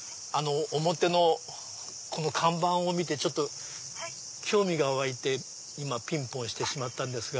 表のこの看板を見てちょっと興味が湧いて今ピンポンを押してしまったんですが。